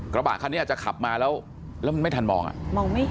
กระบะคันนี้อาจจะขับมาแล้วแล้วมันไม่ทันมองอ่ะ